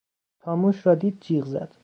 تا موش را دید جیغ زد.